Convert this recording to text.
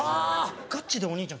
ガチでお兄ちゃん